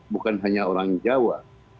bukan hanya orang jawa